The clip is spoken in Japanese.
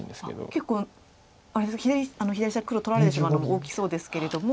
結構左下黒取られてしまうのも大きそうですけれども。